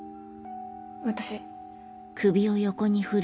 私。